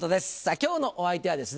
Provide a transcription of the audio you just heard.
今日のお相手はですね